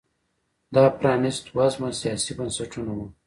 دا پرانیست وزمه سیاسي بنسټونه وو